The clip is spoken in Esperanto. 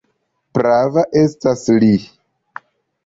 Prava estas Li!